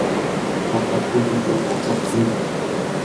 papa quyuyan achaptin.